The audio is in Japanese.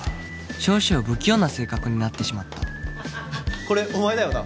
少々不器用な性格になってしまったこれお前だよな